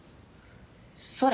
それ！